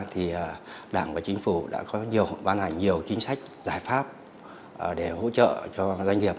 thì đảng và chính phủ đã có nhiều ban hành nhiều chính sách giải pháp để hỗ trợ cho doanh nghiệp